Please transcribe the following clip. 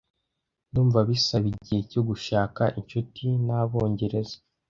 Ndumva bisaba igihe cyo gushaka inshuti nabongereza.